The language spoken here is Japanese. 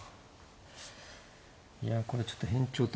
いやこれちょっと変調。